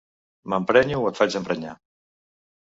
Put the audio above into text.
M'emprenyo o et faig emprenyar.